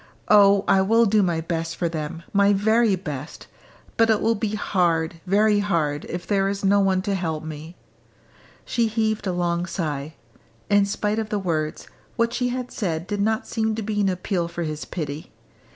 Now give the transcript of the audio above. Oh, I will do my best for them, my very best! But it will be hard, very hard, if there is no one to help me!" She heaved a long sigh. In spite of the words, what she had said did not seem to be an appeal for his pity.